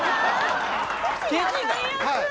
はい。